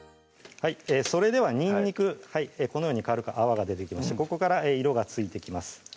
それではにんにくこのように軽く泡が出てきましてここから色がついてきます